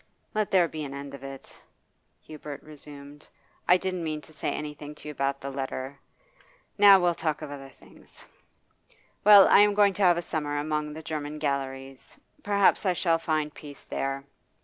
'Let there be an end of it,' Hubert resumed. 'I didn't mean to say anything to you about the letter. Now, we'll talk of other things. Well, I am going to have a summer among the German galleries; perhaps I shall find peace there.